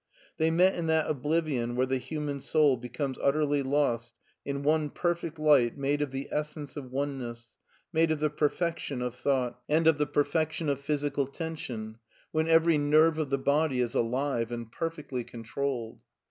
They niet in that oblivion where the human soul becomes utterly lost in one perfect light made of the ^fssence of oneness, made of the perfection of thought. lU MARTIN SCHULER and of the perfection of physical tension, when every nerve of the body is alive and perfectly controlled.